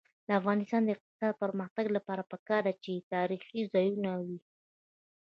د افغانستان د اقتصادي پرمختګ لپاره پکار ده چې تاریخي ځایونه وي.